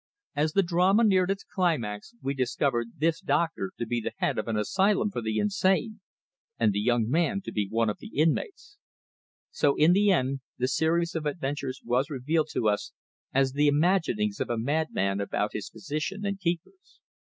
As the drama neared its climax, we discovered this doctor to be the head of an asylum for the insane, and the young man to be one of the inmates; so in the end the series of adventures was revealed to us as the imaginings of a madman about his physician and keepers.